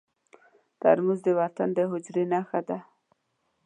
ترموز د وطن د حجرې نښه ده.